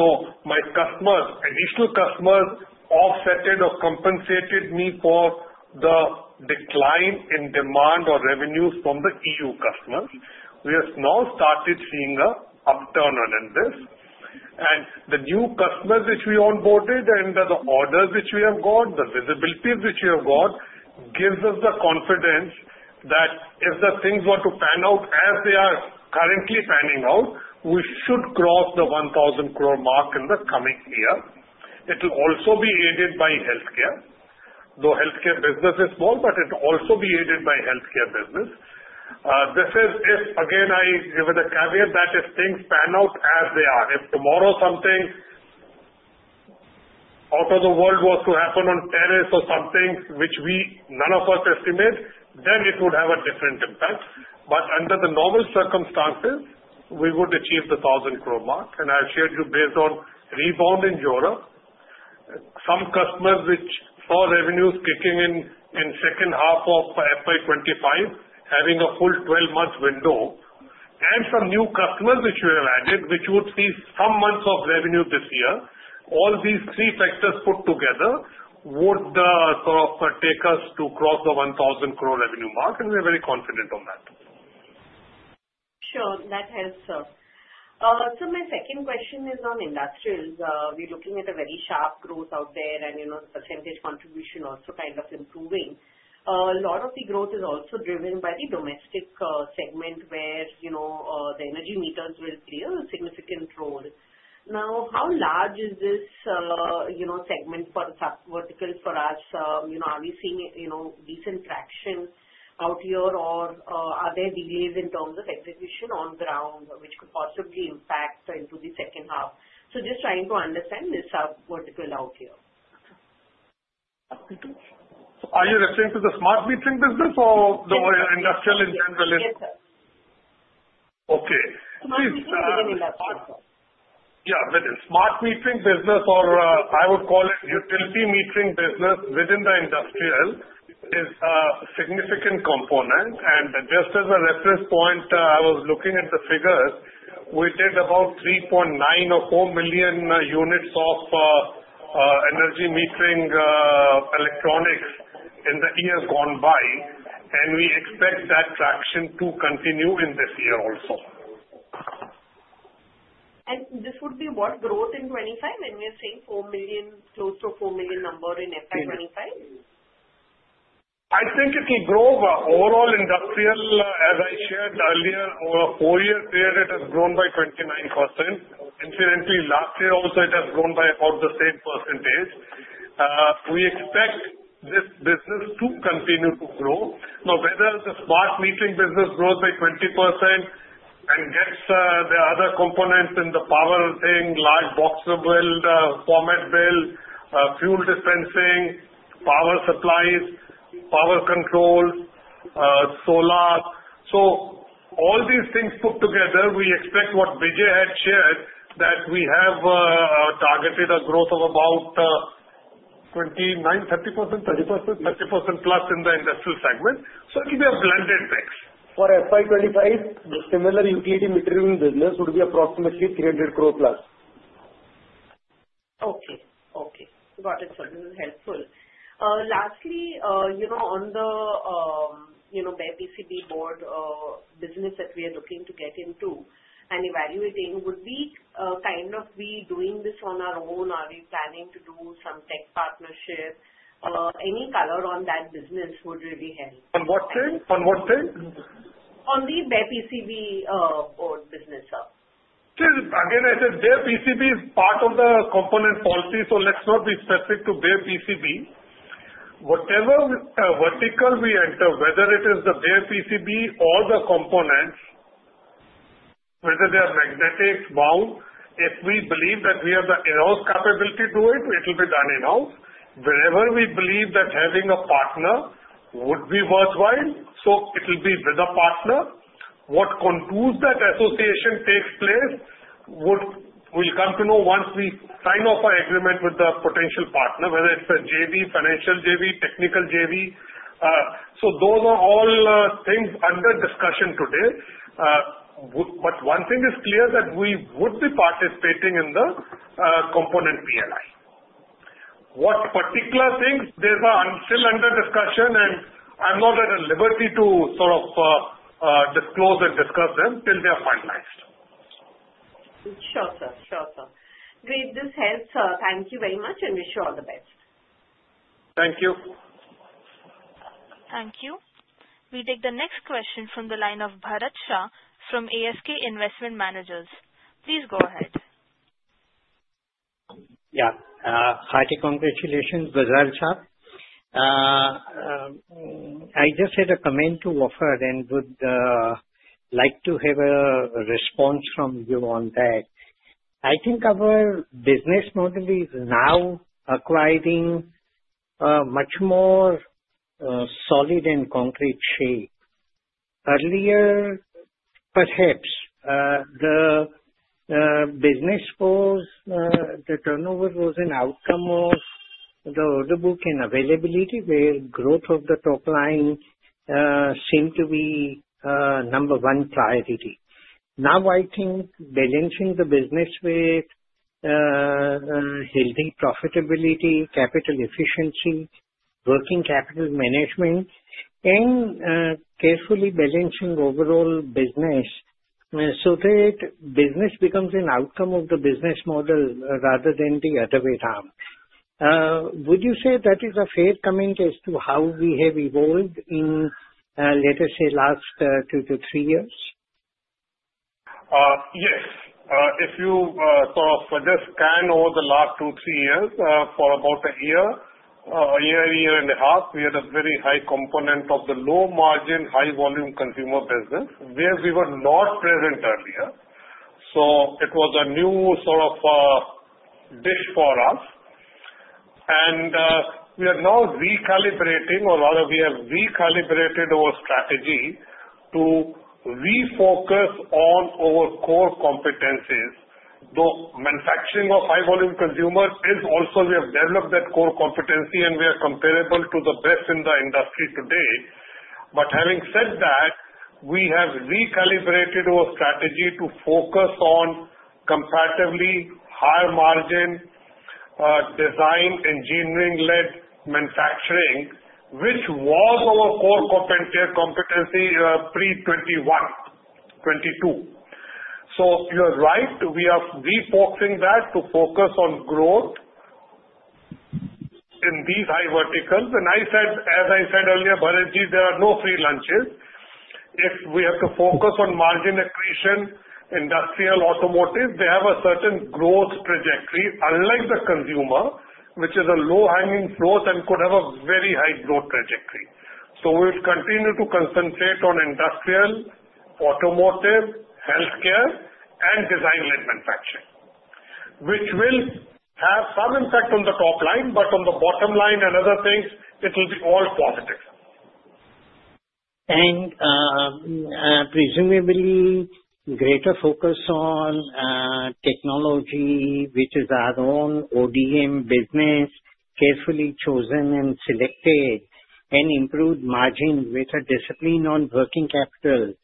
So my customers, additional customers, offset or compensated me for the decline in demand or revenue from the EU customers. We have now started seeing an upturn in this. And the new customers which we onboarded and the orders which we have got, the visibilities which we have got, gives us the confidence that if the things were to pan out as they are currently panning out, we should cross the 1,000 crore mark in the coming year. It will also be aided by healthcare. Though healthcare business is small, but it will also be aided by healthcare business. This is, again, I give it a caveat that if things pan out as they are, if tomorrow something out of the world was to happen on tariffs or something which none of us estimate, then it would have a different impact. But under the normal circumstances, we would achieve the 1,000 crore mark. And I've shared with you based on rebound in Europe, some customers which saw revenues kicking in second half of FY 2025, having a full 12-month window, and some new customers which we have added which would see some months of revenue this year. All these three factors put together would sort of take us to cross the 1,000 crore revenue mark, and we are very confident on that. Sure. That helps, sir. So my second question is on industrials. We're looking at a very sharp growth out there, and the percentage contribution also kind of improving. A lot of the growth is also driven by the domestic segment where the energy meters will play a significant role. Now, how large is this segment for verticals for us? Are we seeing decent traction out here, or are there delays in terms of execution on ground which could possibly impact into the second half? So just trying to understand this vertical out here. Are you referring to the smart metering business or the industrial in general? Yes, sir. Okay. Smart metering business. Yeah, within smart metering business, or I would call it utility metering business within the industrial is a significant component. And just as a reference point, I was looking at the figures. We did about 3.9 or 4 million units of energy metering electronics in the years gone by, and we expect that traction to continue in this year also. This would be what growth in 2025 when we are seeing close to a 4 million number in FY 2025? I think it will grow overall industrial. As I shared earlier, over a four-year period, it has grown by 29%. Incidentally, last year also, it has grown by about the same percentage. We expect this business to continue to grow. Now, whether the smart metering business grows by 20% and gets the other components in the power thing, large box build, format build, fuel dispensing, power supplies, power control, solar. So all these things put together, we expect what Bijay had shared, that we have targeted a growth of about 29, 30%, 30%, 30%+ in the industrial segment. So it will be a blended mix. For FY 2025, the similar utility metering business would be approximately 300 crore plus. Okay. Okay. Got it, sir. This is helpful. Lastly, on the PCB board business that we are looking to get into and evaluating, would we kind of be doing this on our own? Are we planning to do some tech partnership? Any color on that business would really help. On what thing? On what thing? On the PCB board business, sir. See, again, I said PCB is part of the component policy, so let's not be specific to PCB. Whatever vertical we enter, whether it is the PCB or the components, whether they are magnetic, wound, if we believe that we have the in-house capability to do it, it will be done in-house. Wherever we believe that having a partner would be worthwhile, so it will be with a partner. What form that association takes we will come to know once we sign off our agreement with the potential partner, whether it's a JV, financial JV, technical JV. So those are all things under discussion today. But one thing is clear that we would be participating in the component PLI. What particular things? They are still under discussion, and I'm not at liberty to sort of disclose and discuss them till they are finalized. Sure, sir. Sure, sir. Great. This helps, sir. Thank you very much, and wish you all the best. Thank you. Thank you. We take the next question from the line of Bharat Shah from ASK Investment Managers. Please go ahead. Yeah. Hearty congratulations, Bharat Shah. I just had a comment to offer, and would like to have a response from you on that. I think our business model is now acquiring much more solid and concrete shape. Earlier, perhaps the business was, the turnover was an outcome of the order book and availability where growth of the top line seemed to be number one priority. Now, I think balancing the business with healthy profitability, capital efficiency, working capital management, and carefully balancing overall business so that business becomes an outcome of the business model rather than the other way around. Would you say that is a fair comment as to how we have evolved in, let us say, last two to three years? Yes. If you sort of just scan over the last two, three years for about a year and a half, we had a very high component of the low-margin, high-volume consumer business where we were not present earlier. So it was a new sort of niche for us. And we are now recalibrating, or rather we have recalibrated our strategy to refocus on our core competencies. Though manufacturing of high-volume consumer is also we have developed that core competency, and we are comparable to the best in the industry today. But having said that, we have recalibrated our strategy to focus on comparatively higher-margin design engineering-led manufacturing, which was our core competency pre 2021, 2022. So you are right. We are refocusing that to focus on growth in these high verticals. And as I said earlier, Bharatji, there are no free lunches. If we have to focus on margin accretion, industrial, automotive, they have a certain growth trajectory, unlike the consumer, which is a low-hanging fruit and could have a very high growth trajectory. So we will continue to concentrate on industrial, automotive, healthcare, and design-led manufacturing, which will have some impact on the top line, but on the bottom line and other things, it will be all positive. Presumably, greater focus on technology, which is our own ODM business, carefully chosen and selected, and improved margin with a discipline on working capital.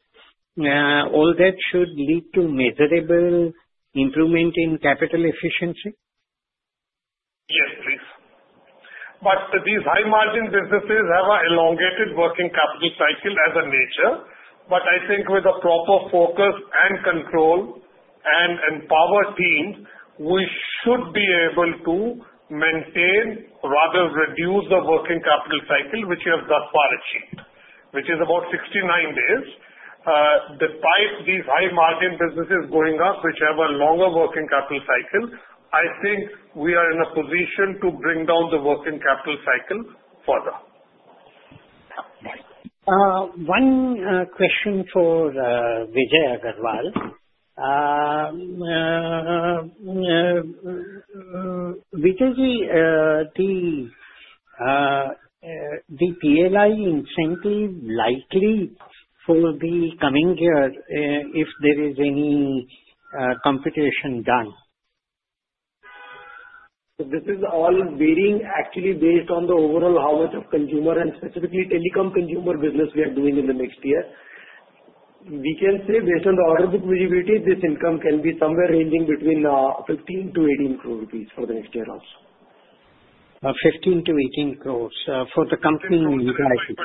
All that should lead to measurable improvement in capital efficiency? Yes, please. But these high-margin businesses have an elongated working capital cycle by nature. But I think with a proper focus and control and empowered teams, we should be able to maintain or rather reduce the working capital cycle, which we have thus far achieved, which is about 69 days. Despite these high-margin businesses going up, which have a longer working capital cycle, I think we are in a position to bring down the working capital cycle further. One question for Bijay Agrawal. Bijay, the PLI incentive likely for the coming year, if there is any computation done? This is all varying, actually, based on the overall how much of consumer and specifically telecom consumer business we are doing in the next year. We can say based on the order book visibility, this income can be somewhere ranging between 15 crore to 18 crore rupees for the next year also. 15-18 crores for the company in entirety?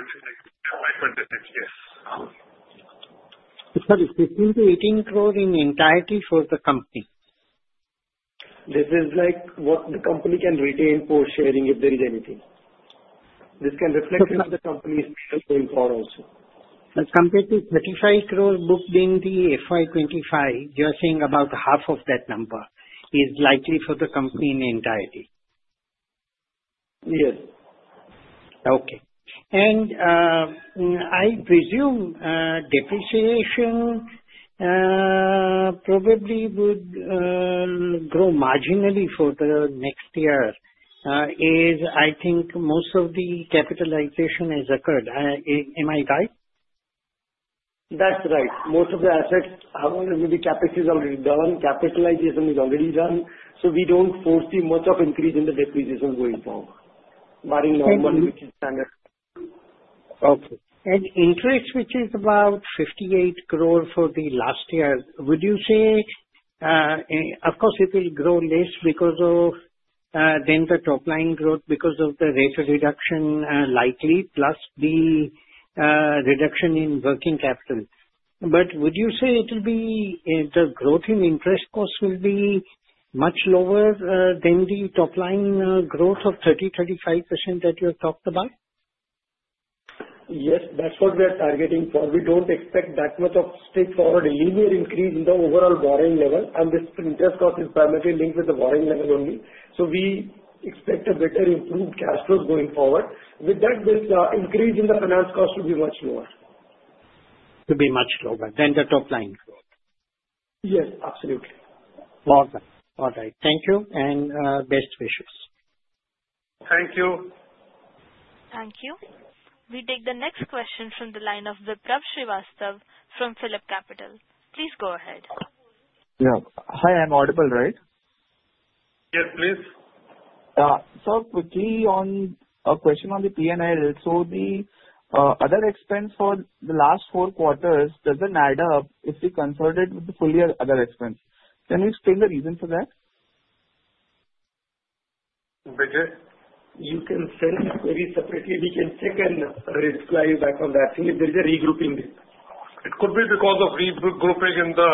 Yes. Sorry. 15-18 crores in entirety for the company? This is what the company can retain for sharing if there is anything. This can reflect in other companies' going forward also. But compared to 35 crores booked in the FY 2025, you are saying about half of that number is likely for the company in entirety? Yes. Okay. And I presume depreciation probably would grow marginally for the next year as I think most of the capitalization has occurred. Am I right? That's right. Most of the assets, the CapEx is already done. CapEx is already done. So we don't foresee much of an increase in the depreciation going forward, barring normal, which is standard. Okay. And interest, which is about 58 crores for the last year, would you say, of course, it will grow less because of, then, the top line growth because of the rate reduction likely plus the reduction in working capital. But would you say it will be the growth in interest costs will be much lower than the top line growth of 30%-35% that you have talked about? Yes. That's what we are targeting for. We don't expect that much of straightforward linear increase in the overall borrowing level. And this interest cost is primarily linked with the borrowing level only. So we expect a better improved cash flows going forward. With that, the increase in the finance cost will be much lower. Will be much lower than the top line growth? Yes. Absolutely. All right. Thank you. And best wishes. Thank you. Thank you. We take the next question from the line of Vipraw Srivastava from PhillipCapital. Please go ahead. Yeah. Hi. I'm audible, right? Yes, please. Sir, quickly on a question on the P&L. So the other expense for the last four quarters doesn't add up if we consider it with the full year other expense. Can you explain the reason for that? Bijay? You can send me very separately. We can check and reply back on that. There is a regrouping. It could be because of regrouping in the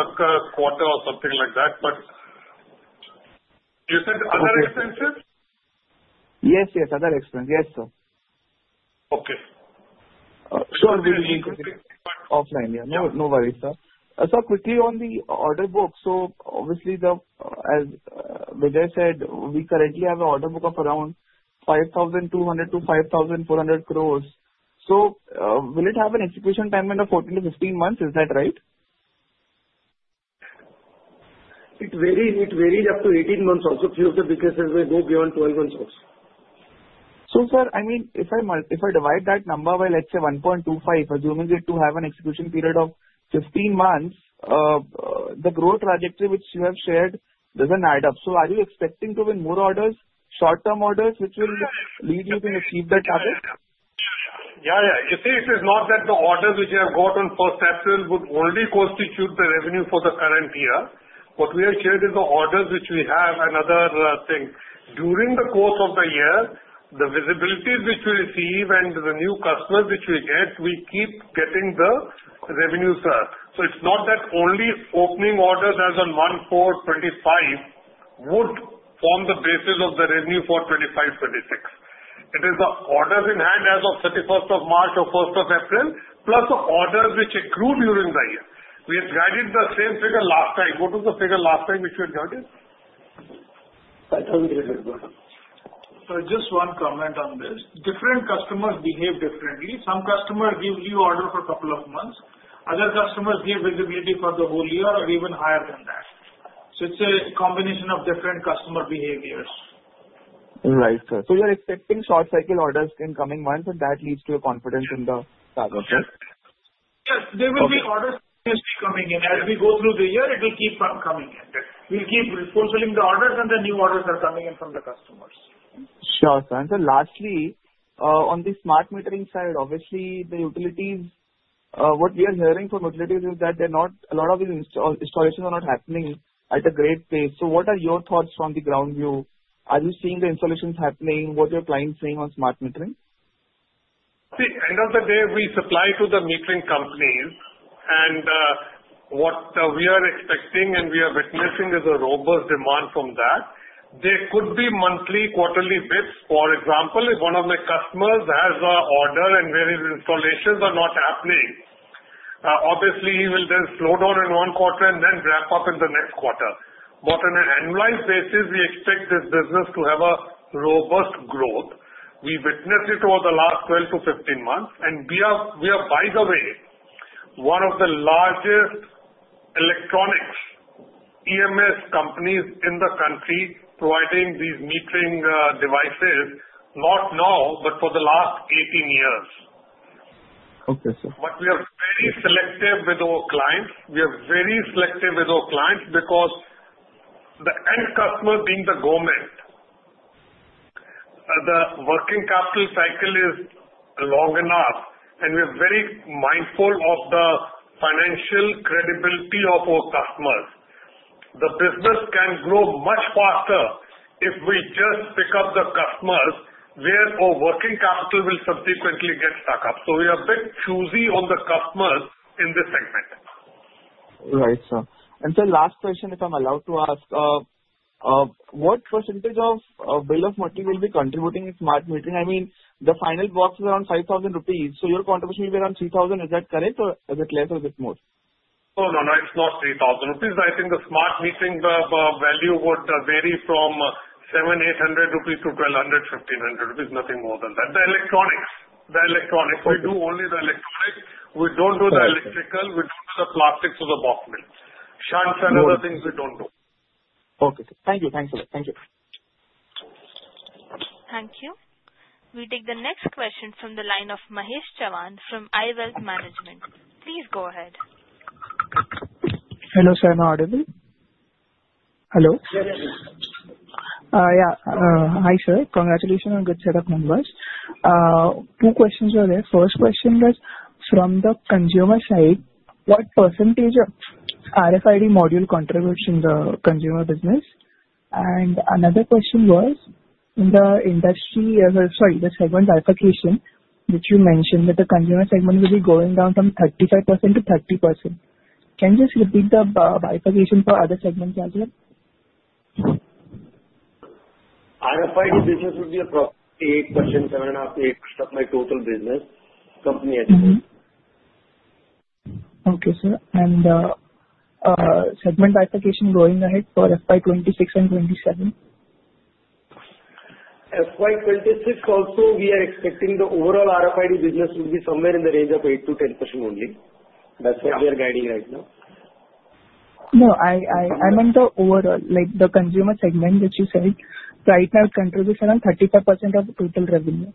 quarter or something like that. But you said other expenses? Yes, yes. Other expenses. Yes, sir. Okay. Sure. We will increase it. Offline. Yeah. No worries, sir. So quickly on the order book. So obviously, as Bijay said, we currently have an order book of around 5,200-5,400 crores. So will it have an execution time in the 14 to 15 months? Is that right? It varies. It varies up to 18 months also. A few of the businesses may go beyond 12 months also. So sir, I mean, if I divide that number by, let's say, 1.25, assuming it to have an execution period of 15 months, the growth trajectory which you have shared doesn't add up. So are you expecting to win more orders, short-term orders, which will lead you to achieve that target? Yeah, yeah. You see, it is not that the orders which I have got on first April would only constitute the revenue for the current year. What we have shared is the orders which we have and other things. During the course of the year, the visibility which we receive and the new customers which we get, we keep getting the revenue, sir. So it's not that only opening orders as on 1 April 2025 would form the basis of the revenue for 2025-2026. It is the orders in hand as of 31st of March or 1st of April, plus the orders which accrue during the year. We had guided the same figure last time. Go to the figure last time which we had guided. I thought we did a good work. So just one comment on this. Different customers behave differently. Some customers give new orders for a couple of months. Other customers give visibility for the whole year or even higher than that. So it's a combination of different customer behaviors. Right, sir. So you are expecting short-cycle orders in coming months, and that leads to a confidence in the target? Yes. There will be orders continuously coming in. As we go through the year, it will keep coming in. We'll keep refocusing the orders, and the new orders are coming in from the customers. Sure, sir. And so lastly, on the smart metering side, obviously, the utilities, what we are hearing from utilities is that a lot of these installations are not happening at a great pace. So what are your thoughts from the ground view? Are you seeing the installations happening? What are your clients saying on smart metering? See, end of the day, we supply to the metering companies, and what we are expecting and we are witnessing is a robust demand from that. There could be monthly, quarterly blips. For example, if one of my customers has an order and where his installations are not happening, obviously, he will then slow down in one quarter and then ramp up in the next quarter. But on an annualized basis, we expect this business to have a robust growth. We witnessed it over the last 12-15 months. And we are, by the way, one of the largest electronics EMS companies in the country providing these metering devices, not now, but for the last 18 years. Okay, sir. But we are very selective with our clients. We are very selective with our clients because the end customer being the government. The working capital cycle is long enough, and we are very mindful of the financial credibility of our customers. The business can grow much faster if we just pick up the customers where our working capital will subsequently get stuck up. So we are a bit choosy on the customers in this segment. Right, sir. And so last question, if I'm allowed to ask, what percentage of bill of material will be contributing in smart metering? I mean, the final box is around 5,000 rupees. So your contribution will be around 3,000. Is that correct, or is it less or a bit more? Oh, no, no. It's not 3,000 rupees. I think the smart metering value would vary from 700-800 rupees to 1,200-1,500 rupees, nothing more than that. The electronics. The electronics. We do only the electronics. We don't do the electrical. We don't do the plastics or the box build. Shunts and other things we don't do. Okay. Thank you. Thank you. Thank you. We take the next question from the line of Mahesh Chavan from iWealth Management. Please go ahead. Hello, sir. Am I audible? Hello? Yeah. Hi, sir. Congratulations on good set of numbers. Two questions were there. First question was from the consumer side, what percentage of RFID module contributes in the consumer business? And another question was in the industrial, sorry, the segment bifurcation, which you mentioned that the consumer segment will be going down from 35% to 30%. Can you just repeat the bifurcation for other segments as well? RFID business will be approximately 8%, 7.5%, 8% of my total business. Company as well. Okay, sir. And segment bifurcation going ahead for FY 2026 and 2027? FY 2026 also, we are expecting the overall RFID business will be somewhere in the range of 8%-10% only. That's what we are guiding right now. No. I meant the overall, like the consumer segment, which you said. Right now, it contributes around 35% of total revenue.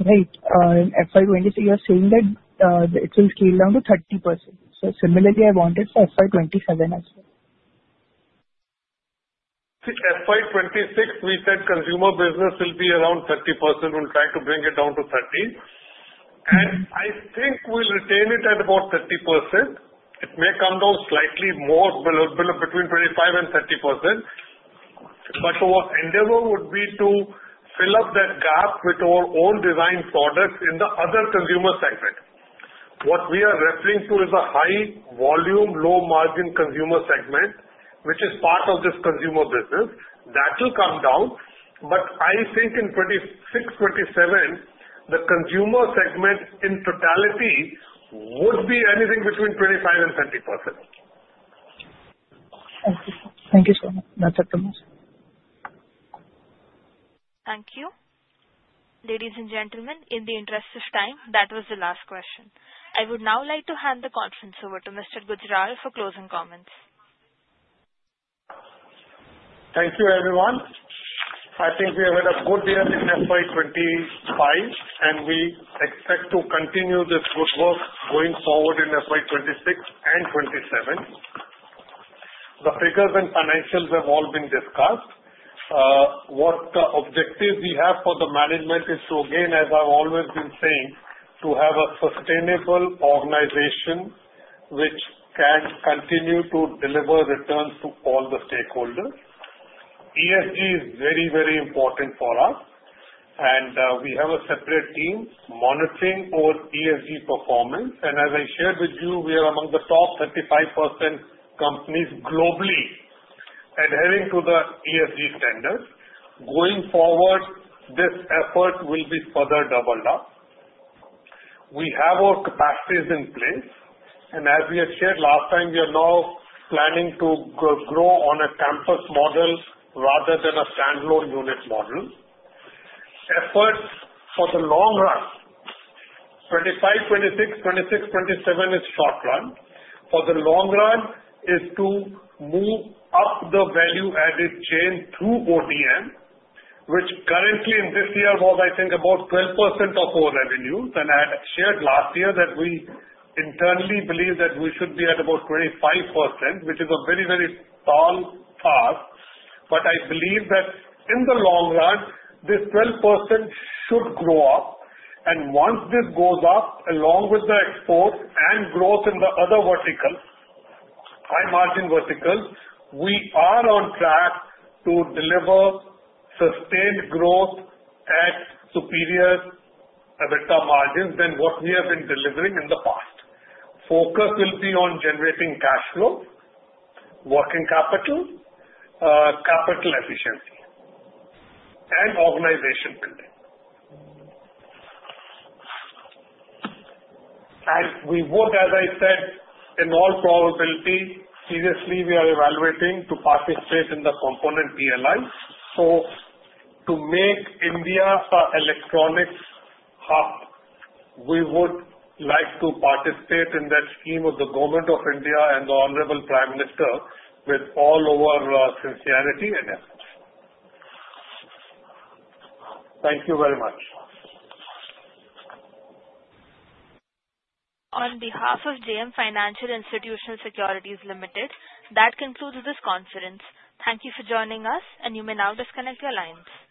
Right. In FY 2026, you are saying that it will scale down to 30%. So similarly, I want it for FY 2027 as well. See, FY 2026, we said consumer business will be around 30%. We'll try to bring it down to 30%. And I think we'll retain it at about 30%. It may come down slightly more, between 25% and 30%. But our endeavor would be to fill up that gap with our own design products in the other consumer segment. What we are referring to is a high-volume, low-margin consumer segment, which is part of this consumer business. That will come down. But I think in 2026, 2027, the consumer segment in totality would be anything between 25% and 30%. Thank you. Thank you so much. That's it from us. Thank you. Ladies and gentlemen, in the interest of time, that was the last question. I would now like to hand the conference over to Mr. Gujral for closing comments. Thank you, everyone. I think we have had a good year in FY 2025, and we expect to continue this good work going forward in FY 2026 and FY 2027. The figures and financials have all been discussed. What the objective we have for the management is to, again, as I've always been saying, to have a sustainable organization which can continue to deliver returns to all the stakeholders. ESG is very, very important for us. And we have a separate team monitoring our ESG performance. And as I shared with you, we are among the top 35% companies globally adhering to the ESG standards. Going forward, this effort will be further doubled up. We have our capacities in place. And as we had shared last time, we are now planning to grow on a campus model rather than a standalone unit model. Efforts for the long run. 2025, 2026, 2027 is short run. For the long run is to move up the value-added chain through ODM, which currently in this year was, I think, about 12% of our revenues. And I had shared last year that we internally believe that we should be at about 25%, which is a very, very tall task. But I believe that in the long run, this 12% should grow up. And once this goes up, along with the exports and growth in the other verticals, high-margin verticals, we are on track to deliver sustained growth at superior EBITDA margins than what we have been delivering in the past. Focus will be on generating cash flow, working capital, capital efficiency, and organization building. And we would, as I said, in all probability, seriously, we are evaluating to participate in the component PLI. To make India electronics hub, we would like to participate in that scheme of the Government of India and the Honorable Prime Minister with all our sincerity and effort. Thank you very much. On behalf of JM Financial Institutional Securities Limited, that concludes this conference. Thank you for joining us, and you may now disconnect your lines.